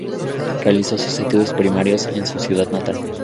Realizó sus estudios primarios en su ciudad natal.